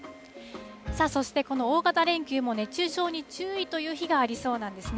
さあ、そしてこの大型連休も熱中症に注意という日がありそうなんですね。